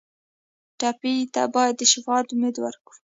ټپي ته باید د شفا امید ورکړو.